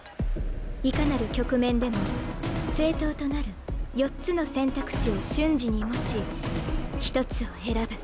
いかなる局面でも正答となる４つの選択肢を瞬時に持ち１つを選ぶ。